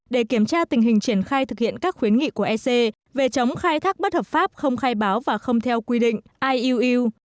để kiểm tra tình hình triển khai thực hiện các khuyến nghị của ec về chống khai thác bất hợp pháp không khai báo và không theo quy định iuu